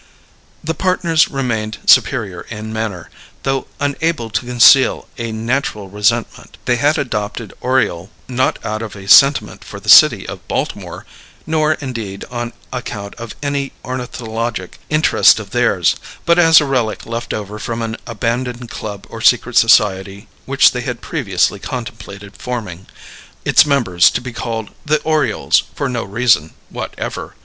The partners remained superior in manner, though unable to conceal a natural resentment; they had adopted "Oriole" not out of a sentiment for the city of Baltimore, nor, indeed, on account of any ornithologic interest of theirs, but as a relic left over from an abandoned club or secret society, which they had previously contemplated forming, its members to be called "The Orioles" for no reason whatever.